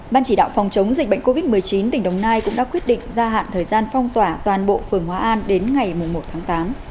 ban chỉ đạo phòng chống dịch bệnh covid một mươi chín tỉnh đồng nai cũng đã quyết định gia hạn thời gian phong tỏa toàn bộ phường hóa an đến ngày một tháng tám